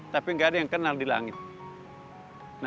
tapi gak ada yang kenal di langitnya